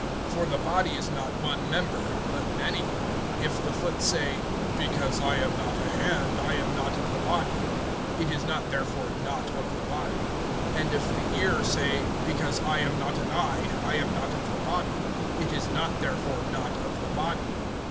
(14)For the body is not one member, but many. (15)If the foot say: Because I am not a hand, I am not of the body; it is not therefore not of the body. (16)And if the ear say: Because I am not an eye, I am not of the body; it is not therefore not of the body.